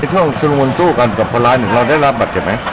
ช่วงชุลมุนสู้กันกับคนร้ายเนี่ยเราได้รับบัตรเจ็บไหม